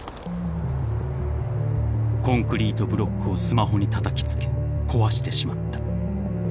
［コンクリートブロックをスマホにたたきつけ壊してしまった。